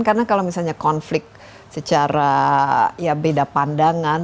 karena kalau misalnya konflik secara ya beda pandangan